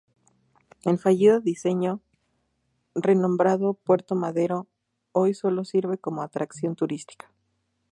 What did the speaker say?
El fallido diseño, renombrado Puerto Madero, hoy sólo sirve como atracción turística.